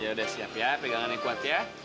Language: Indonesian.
yaudah siap ya pegangannya kuat ya